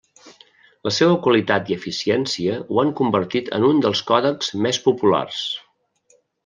La seua qualitat i eficiència ho han convertit en un dels còdecs més populars.